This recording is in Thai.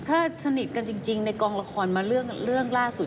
ถ้าสนิทกันจริงในกองละครมาเรื่องล่าสุด